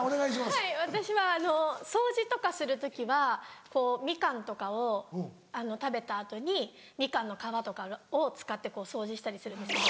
はい私は掃除とかする時はこうみかんとかを食べた後にみかんの皮とかを使って掃除したりするんですけど。